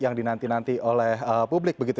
yang dinanti nanti oleh publik begitu